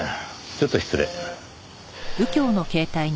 ちょっと失礼。